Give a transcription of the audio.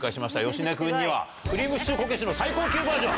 芳根君にはくりぃむしちゅーこけしの最高級バージョン。